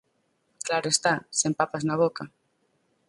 Claro está, sen papas na boca.